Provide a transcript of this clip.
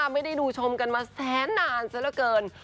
ไม่ได้ดูชมกันมาแสนนานซะละเกิน